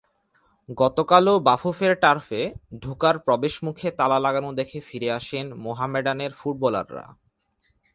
গতকালও বাফুফের টার্ফে ঢোকার প্রবেশমুখে তালা লাগানো দেখে ফিরে আসেন মোহামেডানের ফুটবলাররা।